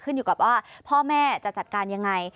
อยู่กับว่าพ่อแม่จะจัดการยังไง